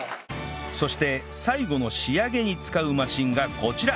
そして最後の仕上げに使うマシンがこちら